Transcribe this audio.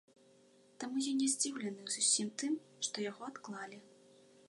Таму я не здзіўлены зусім тым, што яго адклалі.